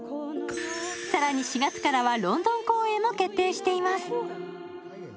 更に、４月からはロンドン公演も決定しています